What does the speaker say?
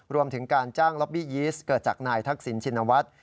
รวมถึงการจ้างล็อบบี้ยีสเกิดจากนายทักษิณชินวัฒน์